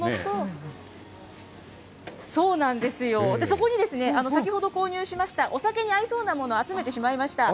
そこに先ほど購入しました、お酒に合いそうなものを集めてしまいました。